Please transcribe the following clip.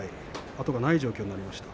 後がない状況です。